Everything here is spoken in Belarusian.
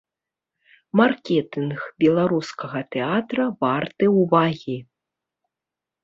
Маркетынг беларускага тэатра варты ўвагі.